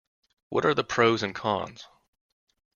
What are the pros and cons?